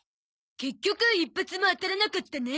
結局１発も当たらなかったね。